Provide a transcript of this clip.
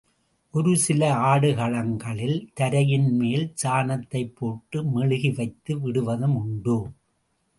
ஒரு சில ஆடுகளங்களில், தரையின் மேல் சாணத்தைப் போட்டு மெழுகி வைத்து விடுவதும் உண்டு.